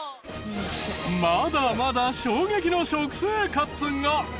まだまだ衝撃の食生活が！